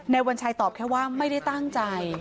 วัญชัยตอบแค่ว่าไม่ได้ตั้งใจ